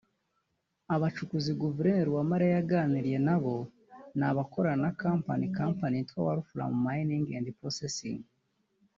Abacukuzi guverineri Uwamariya yaganiriye na bo ni abakorana na kampani [company] yitwa Walfram Mining and Processing